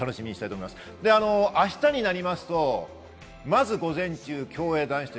明日になりますと、まず午前中、競泳男子です。